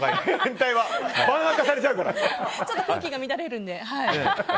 ちょっと空気が乱れるので。